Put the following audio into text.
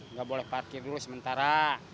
nggak boleh parkir dulu sementara